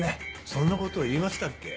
そんなこと言いましたっけ？